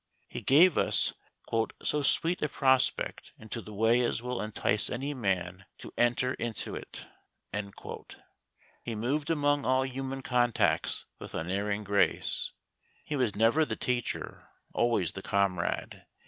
He gave us "so sweet a prospect into the way as will entice any man to enter into it." He moved among all human contacts with unerring grace. He was never the teacher, always the comrade.